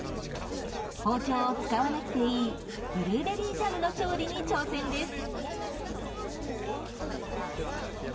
包丁を使わなくていいブルーベリージャムの調理に挑戦です。